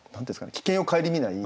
危険を顧みない。